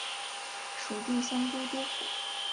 属定襄都督府。